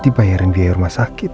dibayarin biaya rumah sakit